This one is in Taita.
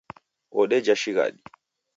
Odeja shighadi.